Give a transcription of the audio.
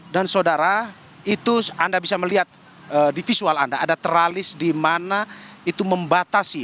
dan saudara itu anda bisa melihat di visual anda ada tralis dimana itu membatasi